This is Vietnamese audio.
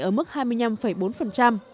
ở mức hai mươi năm bốn